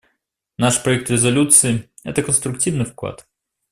Наш проект резолюции — это конструктивный вклад.